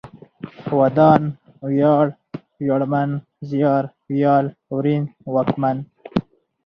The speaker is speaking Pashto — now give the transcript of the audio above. ودان ، وياړ ، وياړمن ، زيار، ويال ، ورين ، واکمن